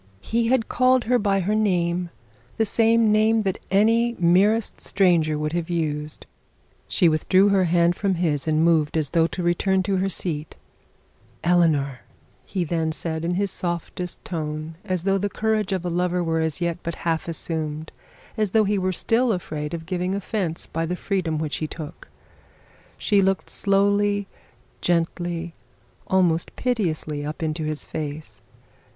He had called her by her name, the same name that any merest stranger would have used! She withdrew her hand from his, and moved as though to return to her seat. 'Eleanor!' he then said, in his softest tone, as though the courage were still afraid of giving offence, by the freedom which he took. She looked slowly, gently, almost piteously up into his face.